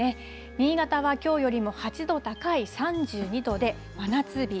新潟はきょうよりも８度高い３２度で真夏日。